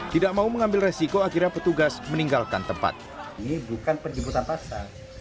tidak mau mengambil resiko akhirnya petugas meninggalkan tempat ini bukan penjemputan paksa